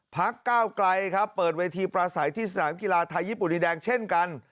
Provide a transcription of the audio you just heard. ก้าวไกลครับเปิดเวทีประสัยที่สนามกีฬาไทยญี่ปุ่นดินแดงเช่นกัน